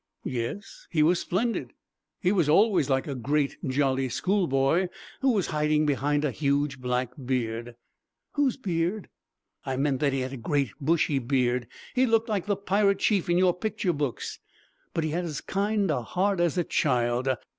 "Yes, he was splendid. He was always like a great jolly schoolboy who was hiding behind a huge black beard." "Whose beard?" "I meant that he had a great bushy beard. He looked like the pirate chief in your picture books, but he had as kind a heart as a child.